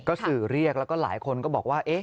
ก็สื่อเรียกแล้วก็หลายคนก็บอกว่า